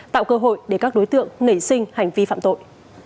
tạo cơ hội để các đối tượng nảy sinh hành vi phạm tội